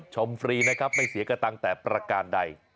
ฟรีนะครับไม่เสียกระตังค์แต่ประการใด